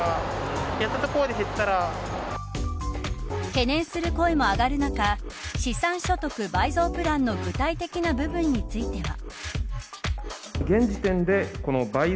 懸念する声も上がる中資産所得倍増プランの具体的な部分については。